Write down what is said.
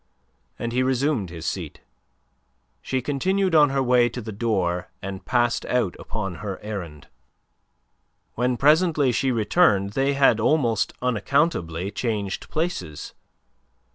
And he resumed his seat. She continued on her way to the door and passed out upon her errand. When presently she returned they had almost unaccountably changed places.